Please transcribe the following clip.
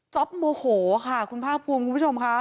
โมโหค่ะคุณภาคภูมิคุณผู้ชมค่ะ